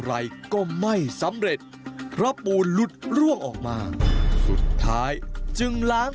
อะไรก็ไม่สำเร็จเพราะปูนหลุดร่วงออกมาสุดท้ายจึงล้าง